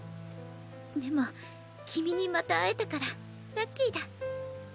でも君にまた会えたからラッキーだ。